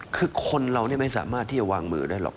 คือคนเราไม่สามารถที่จะวางมือได้หรอก